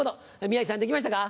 宮治さん出来ましたか？